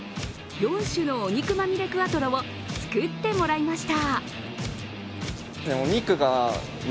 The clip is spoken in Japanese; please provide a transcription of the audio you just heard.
４種のお肉まみれクワトロを作ってもらいました。